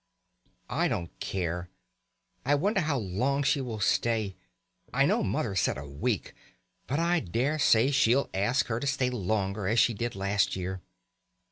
"I don't care. I wonder how long she will stay. I know Mother said a week, but I dare say she'll ask her to stay longer as she did last year."